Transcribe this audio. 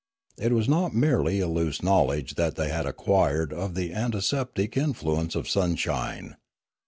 It was not merely a loose knowledge that they had acquired of the anti septic influence of sunshine.